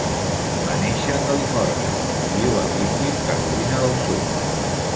Va néixer a Califòrnia i viu a Greenville, Carolina del Sud.